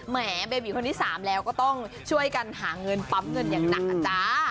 แหมเบบีคนที่๓แล้วก็ต้องช่วยกันหาเงินปั๊มเงินอย่างหนักอ่ะจ้า